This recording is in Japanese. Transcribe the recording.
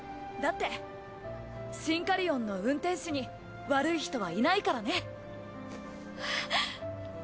だってシンカリオンの運転士に悪い人はいないからね。